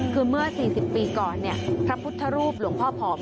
คือเมื่อสี่สิบปีก่อนนี่พระพุทธศาลูปหลวงพ่อพร้อม